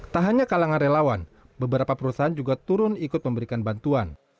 tak hanya kalangan relawan beberapa perusahaan juga turun ikut memberikan bantuan